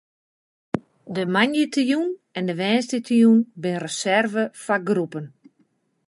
De moandeitejûn en woansdeitejûn binne reservearre foar groepen.